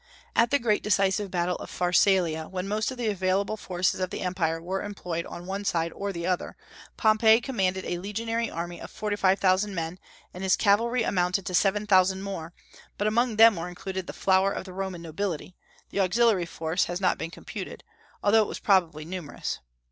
At the great decisive battle of Pharsalia, when most of the available forces of the empire were employed on one side or the other, Pompey commanded a legionary army of forty five thousand men, and his cavalry amounted to seven thousand more, but among them were included the flower of the Roman nobility; the auxiliary force has not been computed, although it was probably numerous.